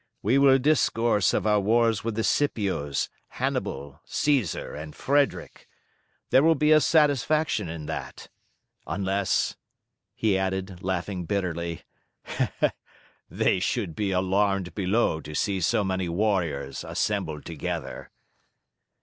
We will discourse of our wars with the Scipios, Hannibal, Caesar, and Frederick there will be a satisfaction in that: unless," he added, laughing bitterly, "they should be alarmed below to see so many warriors assembled together!"